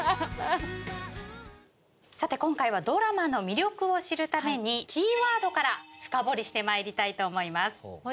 さて今回はドラマの魅力を知るためにキーワードから深掘りしてまいりたいと思います。